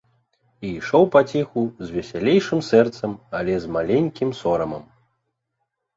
І ішоў паціху, з весялейшым сэрцам, але з маленькім сорамам.